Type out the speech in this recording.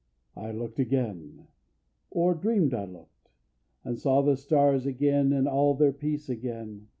I looked again, or dreamed I looked, and saw The stars again and all their peace again.